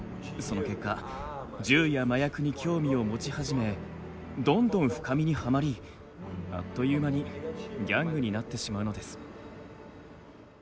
その結果銃や麻薬に興味を持ち始めどんどん深みにはまりあっという間にギャングになってしまうのです。